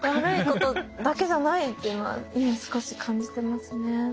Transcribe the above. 悪いことだけじゃないっていうのは今少し感じてますね。